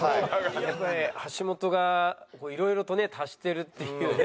やっぱり橋本がいろいろとね足してるっていうね。